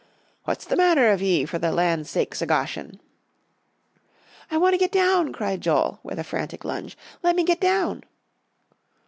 "What's the matter of ye, for the land's sakes o' Goshen?" "I want to get down," cried Joel, with a frantic lunge. "Let me get down!"